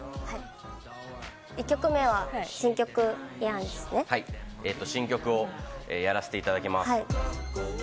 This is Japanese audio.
１曲目は新曲『Ｙｅａｒｎ』新曲をやらせていただきます。